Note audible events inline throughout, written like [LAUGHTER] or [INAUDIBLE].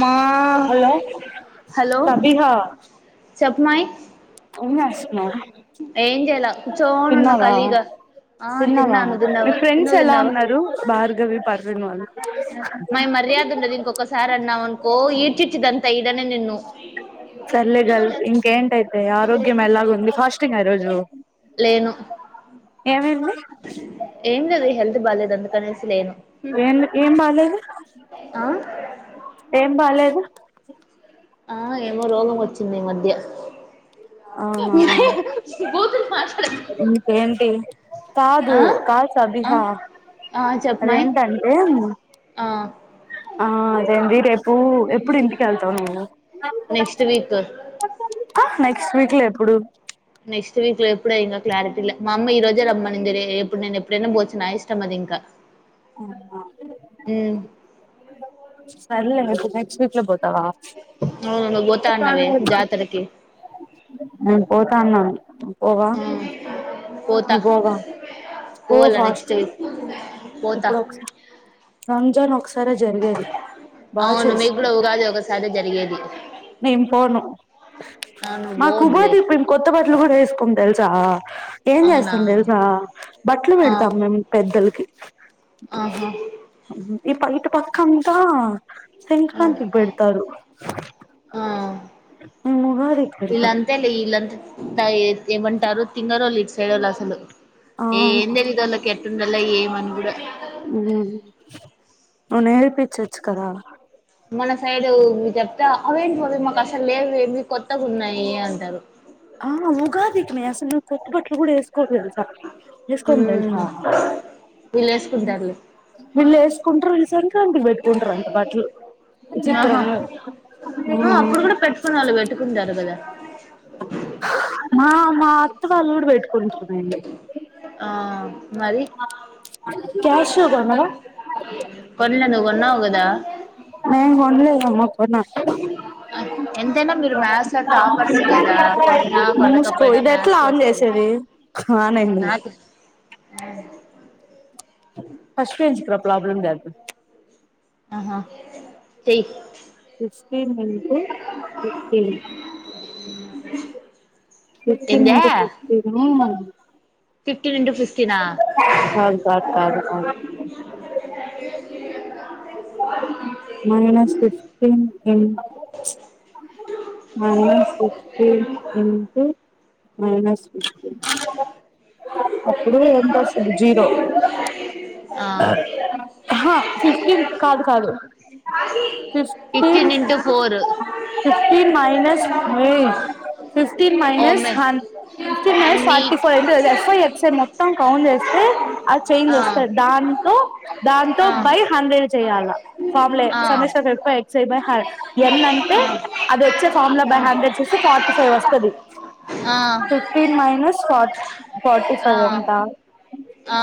మా hello hello Sabiha చెప్పమయ్ ఏం జేస్తునావ్ ఏం చేయాల కూచోడున్న కలీగ తిన్నావా మీ ఫ్రెండ్స్ ఎలా ఉన్నారు భార్గవి పర్ణ వాళ్ళు మై మర్యాద ఉండదు ఇంకొకసారి అన్నావ అనుకో ఈడ్చిచ్చదంతా ఇదనే నిన్ను సర్లే గల్ ఇంకేంటైతే ఆరోగ్యం ఎలాగ ఉంది ఫాస్టింగ్ యి రోజు లేను ఏమైంది ఏం లేదు హెల్త్ బాలేదు అందుకనేసి లేను ఏం ఏం బాలేదు ఆ ఏం బాలేదు ఆ ఏమో రోగం వచ్చింది ఈ మధ్య అవునా భూతులు మాట్లాడకు ఇంకేంటి కాదు ఆ కాల్ ఆ సబిహా ఆ చెప్పు మాయి అదేంటంటే ఆ ఆ ఆ అదేంది రేపు ఎప్పుడు ఇంటిక వెళ్తావు నువ్వు నెక్స్ట్ వీక్ నెక్స్ట్ వీక్ ల్ఎప్పుడు నెక్స్ట్ వీక్ లో ఎప్పుడ ఇంకా క్లారిటీ లే మా అమ్మ ఈ రోజే రమ్మనిే ఎప్పుడుే ఎప్పుడైనా పోచ్చు నా ఇష్టం అది ఇంకా అ హ్మ్ సరలే మతే నెక్స్ట్ వీక్ లో బంది వు గతాన్నావే జాతరకి పోతాన్నా పోవా హ్మ్ పోతా పోగ డూ పోవాల నెక్స్ట్ ఫాస్ట్ వీక్ పోతా ఇప్పుడు ఒకసారి రంజాన్ ఒకసారి జరిగేది బాగా చేసుకో కథ జరిగేది నేం పోను ఆ నువ్వు మాకు పోవద్దులే ఉగాది ఇప్పుడు మేము కొత్త బట్టలు కూడా వేసుకోము తెలుసా ఏం అవునా చేస్తాం తెలుసా బట్టలు ఆ పెడతాం మేము పెద్దలకి ఆహా పక్కంతా ఆ సంక్రాంతి పేడతారు ఆ మేము మోహరి కి పెడతాం వీళ్ళంతేలే వీళ్ళంతా ఏమంటారు తింగారళ ఇట్ సైడ అసలు ఏ అవును ఏందదల కే మళ్ళ ఏమి అన కూడ నువ్వు నేర్పించచ్చు కదా మన సైడ్ మీ చెప్తే అవేంటి పోవ మాకు అసలు లేదు ఏ కొత్తగా ఉన్నాయి అంటారు ఆహ ఉగాది కి మేము అసలు కొత్త బట్టలు కూడా వేసుకోం కొత్త బట్టలు ఎసుకొం తెలుసా హ్మ్ వీళ్ళు వేసుకుంటారులే వీళ్ళు వేసుకుంటరు ఈ సంక్రాంతికి పెట్టుకుంటారు అంట బట్టలు ఆహా విచిత్రంగా ఆ అప్పుడు మ్మ్ కూడా పెట్టుకునే వాళ్ళు పెట్టుకుంటారు కదా మా మా అత్తవాళ్ళ ఊరు పెట్టు ఆ మ క్యాషియో కొన్నావా కొన్నలే నువ్వు కొన్నావ్ కదా నేను కొన్లేదమ్మ కోన ఎంతైనా మీరు మ్యాథ్స్ లో టాపర్స్ కదా కొన్నా ముసుకో కొనకపోయినా ఇది ఎట్లా మ్యాథ్స్ ఆన్ చేసేది ఇది ఖాన్ అయింది ఆ ఫస్ట్ బెంచ్ కి రా ప్రాబ్లం లేదు ఆహా చెయ్ ఫస్న్ అంటె ఫస్ న్ ఫిఫ్టీ మైనెస్ ఏందే ఫిఫ్టీన్ని ఫిఫ్టీన్ ఇంటూ ఫిఫ్టీనా కాదు కాదు కాదు అంతగ వదువ minus fifteen in ten minus fifteen into minus అప్పుడు ఎంత వస్తది జీరో ఆ ఖ ఫిఫ్టీన్ కాదు కాదు fifteen into four city minus four fifty fifteen minus ఓమే హన్ ఫిఫ్టీన్ మైనెస్ అన్ని ఫార్టీ ఫోర్్ంట ఎఫ్ఐ ఎక్స్ మొత్తం కౌంట్ చేస్తే ఆ చేైంజ్ వస్తాయి దాంతో దాంతో ఆ బై హండ్రెడ్ చేయాల ఫమ్లే ఆ సమమిష వెప ఎక్సై బాయి హట్ ఎన్ అంటే అది వచ్చే ఫామ్ లో బై హండ్రెడ్ చూసి ఫార్టీ ఫైవ్ వస్తుంది ఆ ఆ ఫిఫటీన్ మైనస్ ఫట్ సదంటా ఆ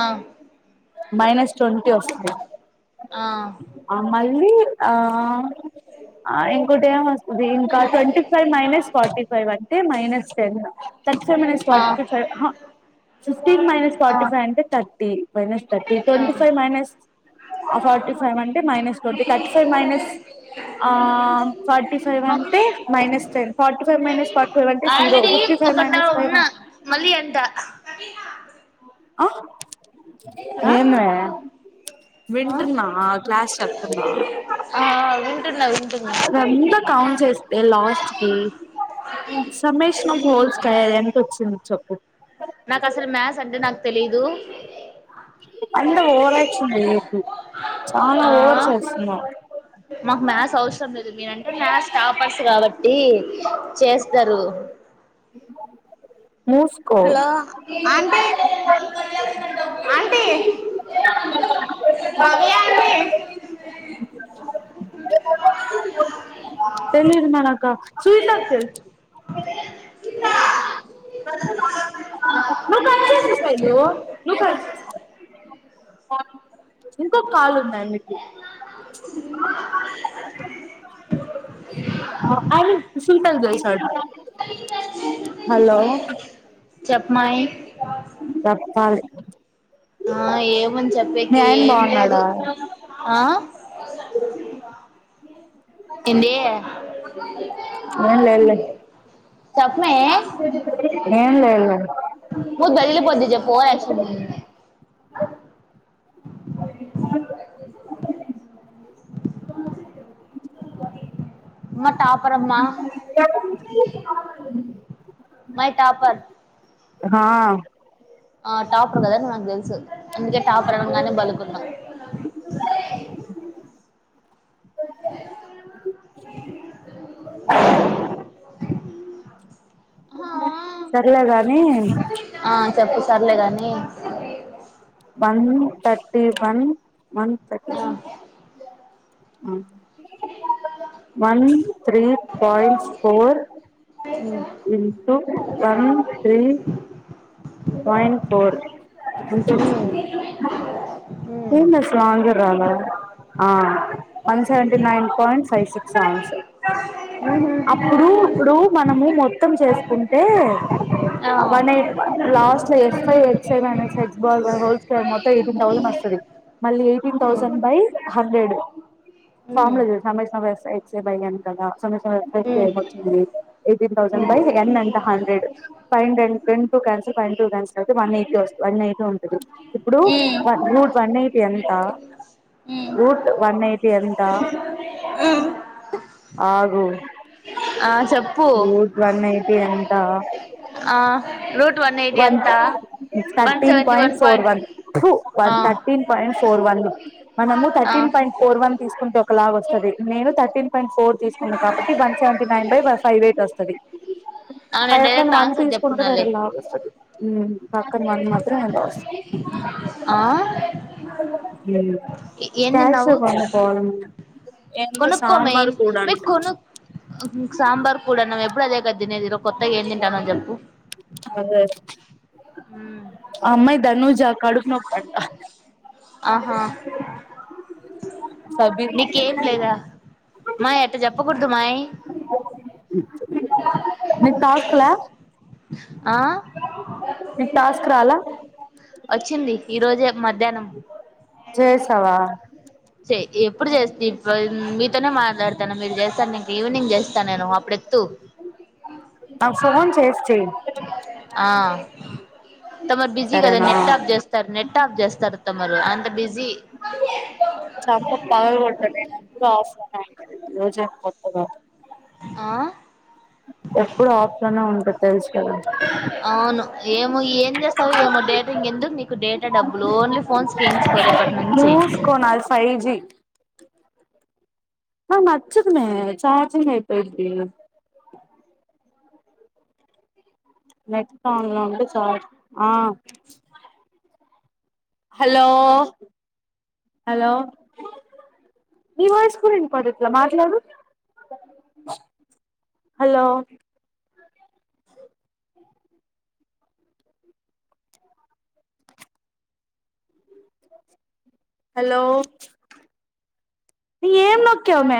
మైనస్ ట్వంటీ వస్తయి ఆ మళ్ళీ ఆ ఆ ఇంకోటి ఏమొ ఇది ఇంకా twenty five minus forty five అంటే minus ten thirty five minus forty five fifteen minus ఆ ఫార్టీ ఆ ఫైవ్ అంటే thirty minus thirty twenty five minus forty five అంటే minus forty thirty five minus ఆ ఫార్టీ ఫైవ్ అంటే ఆ minus ten forty five minus forty five అంటే zero fifty five minus five అంటే మళ్లీ ఎంత ఆ ఆ ఆ వింటున్నావా క్లాస్ చెబుతున్నావా ఆ వింటున్నా వింటున్నా రమ్యాక్క అన్ చేస్తే లాస్ట్ కి సమీష్ నువ్వు పోల్స్ చేయి ఎంత వచ్చింది చొప్పు నాకు అసలు మ్యాస్ అంటే నాకు తెలీదు అంతా ఓరచ్చన్ చేయకు చాలా ఆ ఓవర్ చేేస్తున్నవ్ మాకు మ్యాథ్స్ అవసరం లేదు మీరంటే మ్యాథ్స్ టాపర్స్ కాబట్టి చేస్తారు మూసుకో hello aunty aunty Vani aunty తెలిదు విన్నానక్క [UNINTELLIGIBLE] ఆ ఆ [INAUDIBLE] ఇంకొక కాల్ ఉంది ఆమెకి మొత్తానికి కూసుంటారు తెలుసా ఇడ హలో చెప్మాయి సెప్పాలి ఆ ఏమని చెప్పేకి ఏం లేదు బాగున్నాడా ఆ ఏందీ [INAUDIBLE] చెప్పమే ఏం లేదులే [UNINTELLIGIBLE] మళ్లీ ఫస్ట్ నుంచి చెప్పవా అమ్మా టాపరమ్మా మై టాపర్ గా ఆ టాపర్ కదాని నాకు తెలుసు అందుకే టాపర్ అనంగానే పలుకున్నాం సరే గాని ఆ చెప్పు సర్లేగాని వన్ థర్టీ వన్ వన్ ఆ, thirties one three point four into one three point four um, um, um, ఏం నాకు స్లాంగే రాలే ఆ one seventy nine point five, six [UNINTELLIGIBLE] అప్పుడు ఇప్పుడు మనము మొత్తం చేసుకుంటే ఆ, వన్ లాస్ట్ లో ఎఫ్ఐ ఎస్ సవన్ ఎక్స్ బాల్ హోల్స్కర్ మొత్తం ఇదింటాళ మస్తుది మళ్ళీ eighteen um, thousand by hundred um, form um, లో చూ సమేశ వ్యవసా ఎక్స్ బయను కదా ఉమ్, అింది ఎయిటీన్ ౌసండ్ బై ఎన్ అంట హండ్రెడ్ ఫైవ్ హండ అండ్ట్ పండి అయితే వన్ ఎయిట్ వన్ ఎయిట్ ఉంటది ఇప్పుడుూ ఉమ్, వన్ ఎయిట్ ఎంత ఉమ్, ఊట్ వన్ ఎయిటీ ఎంత ఉమ్. ఆగు ఆ చెప్పు రూట్ వన్ ఎయిటీ ఎంత ఆ రో వన్ ఎయిటీ అంత thirteen point four one two one thirteen point four one మనము ర్టీన్ పాయింట్ ఫోర్ వన్ తీసుకుంటే ఒక అలాగ వస్తుది నేను థర్టీన్ పాయింట్ ఫోర్ తీసుకున్నా కాబట్టి one seventy nine by five eight వస్తుది అవునండి బయక్క డైరెక్ట్ వంద ఆన్సర్ తీసుకుంటే చెప్పున్నాలే వెరాల ఉ పక్కన మంద మాత్ర నస్త ఆ ఏం కష కొ పోాల కొనుకోమయిన్ మీ కొను సాంబార్ కూడాన్నావ్ ఎప్పుడు అదే క తినేదిరో కొత్తగా ఏం తింటాను అని చెప్పు అదే అమ్మాయి ధనుజా ఆహా సబీర్ నీకేం లేదా మాయ అంత జప్ప కొడుదు మాయ్ మీ కాస్లా ఆ మీ టాస్క్ రాాలా వచ్చింది ఈ రోజే మధ్యాహ్నం చేసావా ఎప్పుడు చేస్తా మీతోనే మాట్లాడతాను మీరు చేస్తాను ఇంక ఈవినింగ్ చేస్తాను నేను అప్పుడుెతు నాకు ఫోన్ చేసి చెయ్ ఆ తమరు బిజీ కదా సరేనా నెట్ ఆఫ్ చేస్తారు నెట్ ఆఫ్ చేస్తారు తమరు అంత బిజీ చప ప కొంటంఫ రోజ కొత్త ఆ ఎప్పుడు ఆప్షనే ఉంటుది తెలుసు కద అవును ఏమో ఏం చేస్తావు ఏమో డేట ఇంక ఎందుకు నకుడట డబలు ఓన్లీ ఫోన్స్ స్కీమ్స్ కోరేప్పటి నుంచి మూసుకో నాది ఫైవ్ జి ఆ నచ్చుకునేే చార్జింగ్ అయిపోయింది నెట్ సాంగ్ లో ఉంట చార్ ఆ హలో హలో ఈ వయస్కు ఇం పదట్లా మాట్లాడు హలో హలో న ఏం న క మ